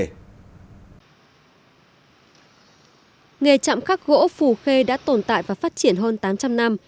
nghề trạm khắc gỗ phù khê đã tồn tại và phát triển hơn tám trăm linh năm